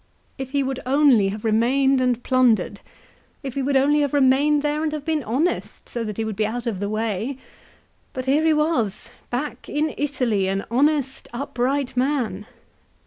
If he would only have remained and plundered ! If he would only have remained there and have been honest so that he would be out of the way ! But here he was, back in Italy, an honest upright man